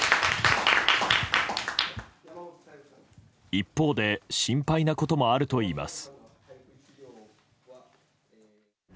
一方で心配なこともあるといいます。